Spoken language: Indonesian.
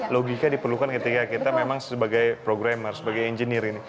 logika diperlukan ketika kita memang sebagai programmer sebagai engineer ini